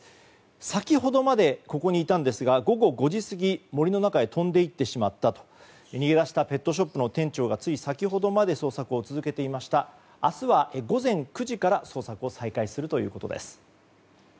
先ほどまでここにいたんですが午後５時過ぎ森の中へ飛んで行ってしまったと逃げ出したペットショップの店長が先ほどまで捜索をしており明日は午前９時から捜索を再開するということです。